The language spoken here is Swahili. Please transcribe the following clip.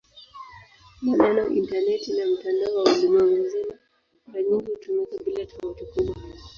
Maneno "intaneti" na "mtandao wa ulimwengu mzima" mara nyingi hutumika bila tofauti kubwa.